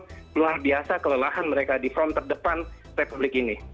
karena ini adalah hal yang sangat luar biasa kelelahan mereka di front terdepan republik ini